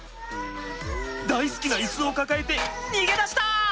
大好きなイスを抱えて逃げ出した！